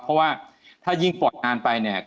เพราะว่าถ้ายิ่งปลดอ่านไปเนี่ย